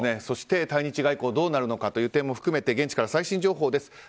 そして、対日外交どうなるのかという点も含めて現地から最新情報です。